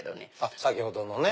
先ほどのね。